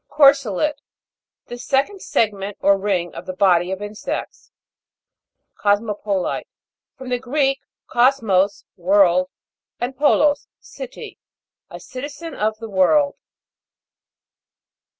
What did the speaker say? CORSE'LET. The second segment or ring of the body of insects. COSMO' POLITE. From the Greek, kos mos, world, and polls, city. A citizen of the world.